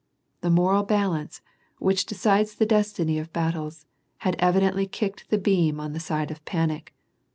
The moral balance, which decides the destiny of battles, had evidently kicked the beam on the side of panic.